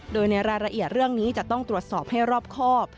โดยในรายละเอียดเรื่องนี้จะต้องตรวจสอบให้รอบครอบ